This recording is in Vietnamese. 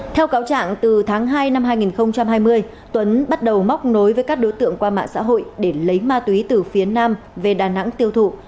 theo cáo trạng từ tháng hai năm hai nghìn hai mươi tuấn bắt đầu móc nối với các đối tượng qua mạng xã hội để lấy ma túy từ phía nam về đà nẵng tiêu thụ